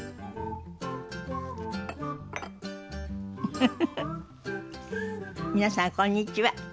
フフフフ皆さんこんにちは。